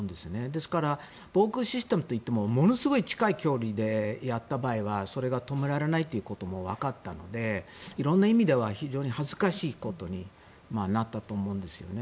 ですから防空システムといってもものすごく近い距離でやった場合はそれが止められないということもわかったので色んな意味では非常に恥ずかしいことになったと思うんですよね。